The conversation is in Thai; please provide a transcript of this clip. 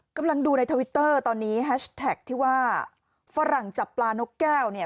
กำลังดูในทวิตเตอร์ตอนนี้แฮชแท็กที่ว่าฝรั่งจับปลานกแก้วเนี่ย